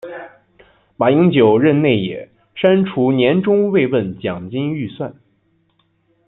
马英九任内也删除年终慰问金预算。